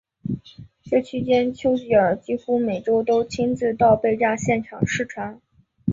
这期间丘吉尔几乎每周都亲自到被炸现场视察。